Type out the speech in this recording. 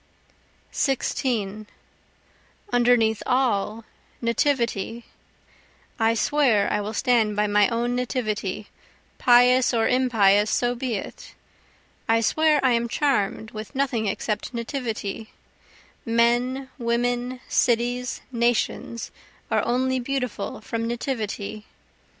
16 Underneath all, Nativity, I swear I will stand by my own nativity, pious or impious so be it; I swear I am charm'd with nothing except nativity, Men, women, cities, nations, are only beautiful from nativity.